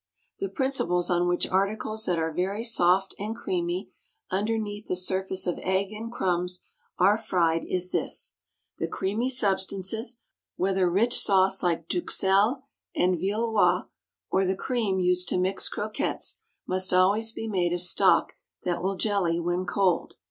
The principle on which articles that are very soft and creamy, underneath the surface of egg and crumbs, are fried is this: the creamy substances, whether rich sauce like d'Uxelles and Villeroi, or the cream used to mix croquettes, must always be made of stock that will jelly when cold.